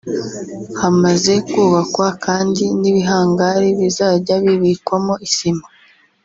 hamaze kubakwa kandi n’ibihangari bizajya bibikwamo isima